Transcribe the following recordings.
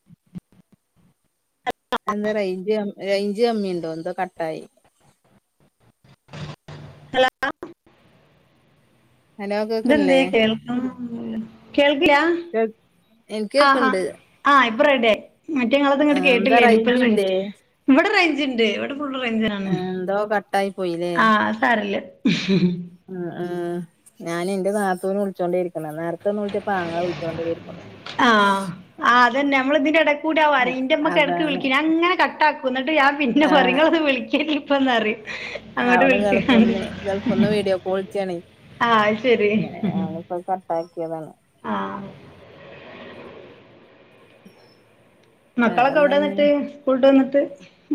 [inaudible] എന്താ range range കമ്മിണ്ടോ എന്തോ കട്ടായി ഹലൊ ഹലോ ദ് എന്തെ കേക്കണില്ലേ കേൾക്ക കേൾക്കിലാ എനിക്ക് കേക്കണ്ട് ആഹ് ഇപൊ റെഡി ആയി മറ്റേ ങ്ങളത് ആ, ഇങ്ങോട്ട് എന്താ കേട്ടില്ലേനി റേഞ്ച് ഇപ്പറേ ഇല്ലേ ഇവിടെ റേഞ്ച്ണ്ട് ഇവിടെ ഫുൾ റേഞ്ചിനാണ് ആ, എന്തോ കട്ടായി പോയില്ലേ ആഹ് സാരല്ല ഉഉ ഉ ഉം ഉം ഞാൻ എന്റെ നാത്തൂന വിളിച്ചോണ്ടിരിക്കണ നേര പെട്ടെന്ന് വിളിച്ചപ്പം ആങ്ങള വിളിച്ചോണ്ടേയിരിക്കാ ആഹ് അതന്നെ നമ്മള് ഇതിന്റെ ഇടകൂടെ ആവാറേ ഇന്റെമ്മൊക്കെ ഇടക്ക് അതാണ് വിളികും ഞാനിങ്ങനെ കട്ടാക്കും ന്നിട്ട് ഞാൻ പിന്നെ പറയും ഇങ്ങളൊന്ന് വിളിക്ക് ഇപ്പന്നറിയും ആ അവള് ഗൾഫിന്ന് ഗൾഫിന്ന് വീഡിയോ കോള്ച്ചെയാണെ ആഹ് അയ് ശരി അക്കിയതാണ് ആഹ് മക്കളൊക്കെ വേറെന്താ എവിടെ പിന്നെ യെന്നിട്ട് സ്കൂൾട്ട് വന്നിട്ട്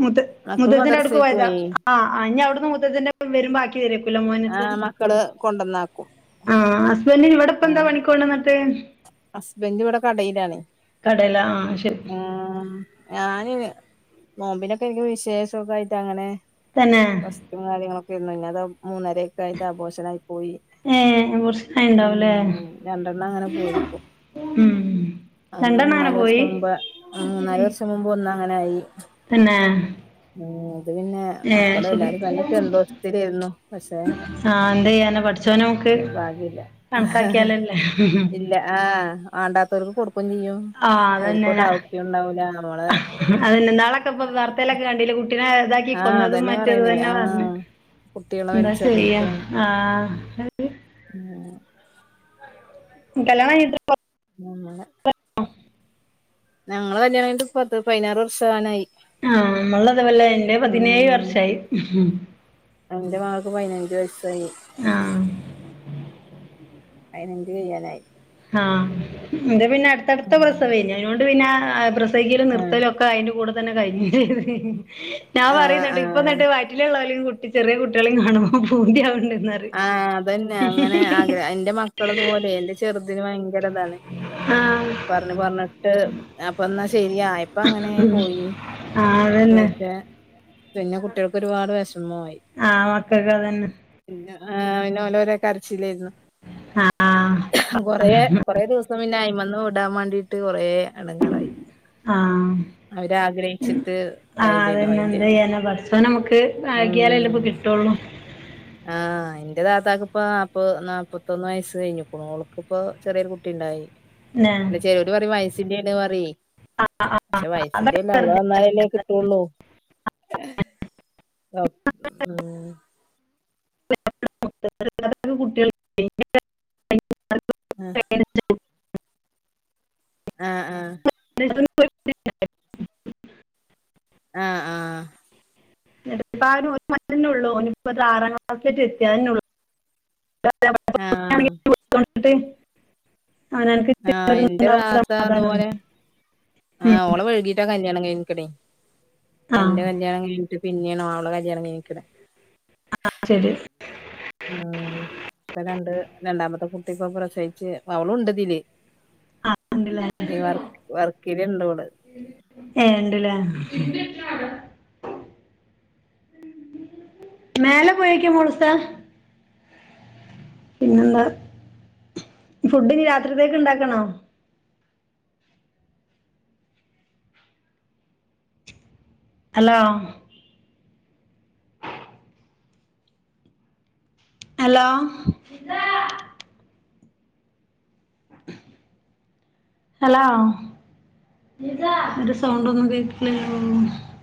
മുത്ത് മക്കള് മുതച്ചന്റെ അവിടുക്ക് മദ്രസേക്ക് പോയതാ പോയി ആഹ് ഇനി അവിടുന്ന് മുത്തച്ഛന്റെ പ്പം വരും ബാക്കി ഇരിക്കൂല്ല മോന് ത്ത് ക്കള് കൊണ്ടന്നാക്കും ആഹ് ഹസ്ബന്റ് ഇവിടെ ഇപ്പം എന്താ പണിക്കോണ്ട്ന്നിട്ട് ഹസ്ബന്റ് ഇവിടെ കടയിലാണെ കടേല ആ ശരി ആ ഞാന് നോമ്പിനൊക്കെ എനിക്ക് വിശേഷം ഒകെ ആയിട്ട് ആണ് തന്നെയാ റസ്റ്റ് കാര്യങ്ങളൊക്കെ ആരുന്നു ഇന്ന് മൂന്നരയൊക്കെ ആയിട്ട് അപോഷനായി പോയി ഏഹ് അത് ണ്ടാവൂലെ പോയിപ്പോ ആഹ് രണ്ടെണ്ണം അങ്ങനെ മൂന്നാല് പോയി വർഷം മുമ്പ് മൂന്ന് നാല് വർഷം മുമ്പ് ഒന്ന് അങ്ങനായി തന്നെ ഉം അത് പിന്നെ ഏ മക്കള് ശരി എല്ലാരും നല്ല സന്തോഷത്തിലായിരുന്നു പക്ഷേ ആഹ് എന്ത്‌ ചെയ്യാനാ പടച്ചവന് മുന്നിൽ ഭാഗ്യല്ല കണക്കാക്കിയാലല്ലേ ഇല്ല ആഹ് വാണ്ടാത്തവർക്ക് കൊടുക്കയും ചെയ്യും ആ ഓൽക്കൊട്ട് ആവശ്യവും ഉണ്ടാവൂല നമ്മള് അതെ ഇന്നാളൊക്കെ ഇപ്പം വാർത്തയിലൊക്കെ കണ്ടില്ലെ കുട്ടികളെ ഇതാ ആഹ് ഇപ്പന്തതും അതന്നെ മറ്റത് പറയണേ തന്നെ പറഞ്ഞ് ആഹ് കുട്ടികളെ എന്താ ചെയ്യാ വലിച്ചെറിഞ്ഞിട്ടും ആഹ് ആഹ് കല്യാണം കഴിഞ്ഞിട്ടിപ്പം ഉം ഞങ്ങള കല്യാണം കഴിഞ്ഞിട്ടിപ്പം പതിനാറ് വർഷം ആവാനായി ആഹ് നമ്മളിതുപോലെ എന്റെ പതിനേഴ് വർഷായി എന്റെ മകൾക്ക് പതിനഞ്ച് വയസ്സായി ആഹ് അതിനെന്ത്‌ ചെയ്യലായി ആഹ് എന്റെ പിന്നെ അടുത്തടുത്ത പ്രസവം ആയിരുന്നു അതുകൊണ്ട് പിന്നെ പ്രസവിക്കലും ആഹ് നിർത്തലും ഒ അതിന്റെ കൂടെ തന്നെ കഴിഞ്ഞ് ഞാൻ ആഹ് പറയുന്നുണ്ട് ആഹ് ഇപ്പന്നട്ട് വയറ്റിലുള്ളതിനേയും മറ്റേ ചെറിയ കുട്ടികളെയും കാണുമ്പം പൂതിയാവുണ്ട് എന്ന് പറയും ആഹ് അതന്നെ അങ്ങനെ ആഗ്രഹം എന്റെ മക്കളതു പോലെ എ ചെറുതിന് ഭയങ്കര ഇതാണ് ആഹ് പറഞ്ഞ് പറഞ്ഞിട്ട് അപ്പം എന്നാ ശരിയാ ഇപ്പം അങ്ങനേ ഉം പോയി ആഹ് അതന്നെ പക്ഷെ പിന്നെ കുട്ടികൾക്ക് ഒരുപാട് വിഷമവും ആയി ആഹ് മക്കൾക്ക് അത് തന്നെ പിന്നെ ആഹ് ഓലോരോ കരച്ചിലായിരുന്നു ആഹ് കൊറേ കൊറേ ദിവസ് പിന്നെ അയിമ്മേന്ന് വിടാൻ വേണ്ടിട്ട് കുറേ ഇടങ്ങാറായി ആഹ് ആഹ് ഇതായില്ലല്ലോ അതന്നെ അയിന്റെ എന്ത് ചെയ്യാനാ പടച്ചോൻ നമുക്ക് ആകിയാലല്ലാ ഇപ്പോ ഉം കിട്ടുള്ളൂ ആഹ് എന്റെ താത്താക്കിപ്പോ നാപ്പത് നാപ്പത്തൊന്ന് വയസ്സ് കഴിഞ്ഞിക്കണു ഓർക്ക് ഇപ്പോ ചെറിയൊരു കുട്ടി ഉണ്ടായി ല്ലേ ഇല്ല ചെലോര് പറയും വയസിന്റെയാന്ന് പറയുവേ ആഹ് പക്ഷെ വയസിന്റെയല്ല അല്ലാഹ് തന്നാലല്ലേ കിട്ടുള്ളൂ. ആഹ് [inaudible] ആഹ് [inaudible] ആഹ് ആഹ് [inaudible] ആഹ് ആഹ് എടുപ്പാന് ഒരു മോനേ ഉള്ളൂ ഓന് ഇപ്പം ദാ ആറാം ക്ലാസ്സില് എത്തിയന്നേ ഉള്ളൂ [inaudible] ആഹ് ആഹ് എന്റെ താത്ത [unintelligible] അതാണ് അതുപോലെ ആഹ് ഓളെ വഴുകീട്ടാ കല്യാണം കഴിഞ്ഞിക്കണെ ആ എന്റെ കല്യാണം കഴിഞ്ഞിട്ട് പിന്നെയാണ് ഓളെ കല്യാണം കഴിഞ്ഞിക്കണേ ആഹ് ശരി ഇപ്പം രണ്ട് രണ്ടാമത്തെ കുട്ടി ഇപ്പം പ്രസവിച്ച് അവളും ഉണ്ടിതില് ആ ഉണ്ടല്ലേ ഈ വർക്കില് ഇണ്ട് അവള് ഏഹ് ഇണ്ടില്ലേ മേലെ പോയേക്കാ മോളൂസെ പിന്നെന്താ ഫുഡിനി രാത്രിത്തേക്ക് ഉണ്ടാക്കണോ? ഹലോ ഹലോ ഹലോ ഒരു സൗണ്ടന്നും കേക്കില്ലല്ലോ